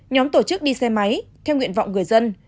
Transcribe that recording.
nhóm tổ chức đi xe máy theo nguyện vọng người dân